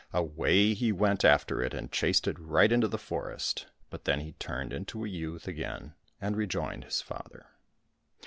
Away he went after it and chased it right into the forest, but then he turned into a youth again and rejoined his father.